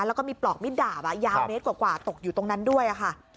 แล้วก็มีปลอกมิดดาบยาวเมตรกว่าตกอยู่ตรงนั้นด้วยค่ะ